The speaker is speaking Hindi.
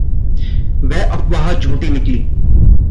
वह अफ़वाह झूठी निकली।